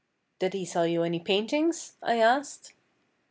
"Did he sell you any paintings?" I asked.